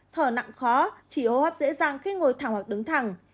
thở nặng khó chỉ hô hấp dễ dàng khi ngồi thẳng hoặc đứng thẳng